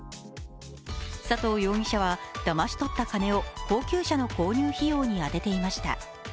佐藤容疑者はだまし取った金を高級車の購入費用に充てていました。